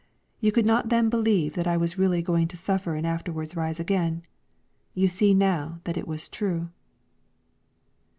You could not then believe that I was really going to suffer and afterwards rise again. You see now that it was true."